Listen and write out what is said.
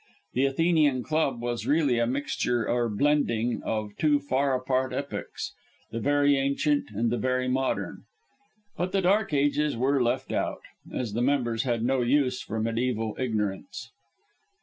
The Athenian Club was really a mixture or blending of two far apart epochs, the very ancient and the very modern; but the dark ages were left out, as the members had no use for mediæval ignorance.